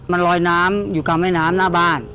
มันลอยน้ำอยู่กลางแม่น้ำหน้าบ้าน